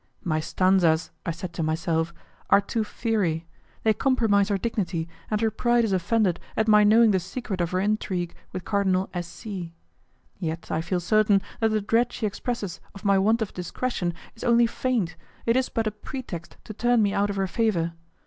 "My stanzas," I said to myself, "are too fiery; they compromise her dignity, and her pride is offended at my knowing the secret of her intrigue with Cardinal S. C. Yet, I feel certain that the dread she expresses of my want of discretion is only feigned, it is but a pretext to turn me out of her favour.